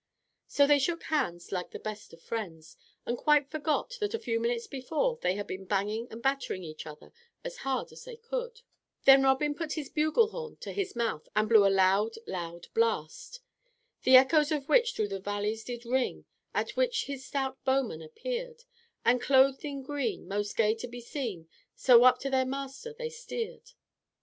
So they shook hands like the best of friends, and quite forgot that a few minutes before they had been banging and battering each other as hard as they could. Then Robin put his bugle horn to his mouth, and blew a loud, loud blast. "The echoes of which through the valleys did ring, At which his stout bowmen appeared, And clothed in green, most gay to be seen, So up to their master they steered."